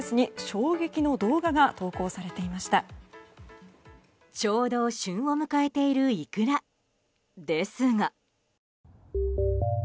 ちょうど旬を迎えているイクラですが。